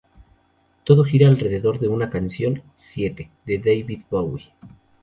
Todo gira alrededor de una canción: ""Siete"", de David Bowie.